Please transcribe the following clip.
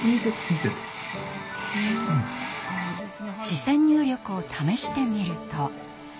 視線入力を試してみると。